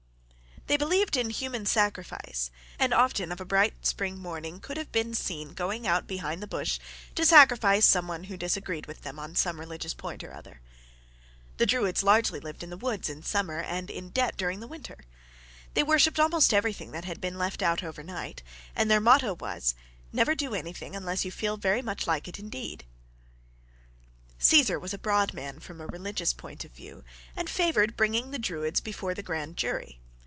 ] They believed in human sacrifice, and often of a bright spring morning could have been seen going out behind the bush to sacrifice some one who disagreed with them on some religious point or other. The Druids largely lived in the woods in summer and in debt during the winter. They worshipped almost everything that had been left out overnight, and their motto was, "Never do anything unless you feel like it very much indeed." Caesar was a broad man from a religious point of view, and favored bringing the Druids before the grand jury.